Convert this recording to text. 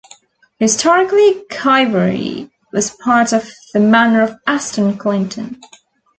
Historically Chivery was part of the manor of Aston Clinton.